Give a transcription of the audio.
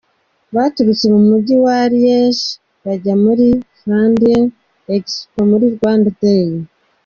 Baturutse mu Mujyi wa Liège bajya kuri Flanders Expo muri Rwanda Day.